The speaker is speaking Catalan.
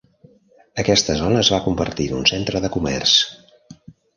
Aquesta zona es va convertir en un centre de comerç.